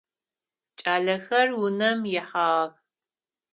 Кӏалэхэр унэм ихьагъэх.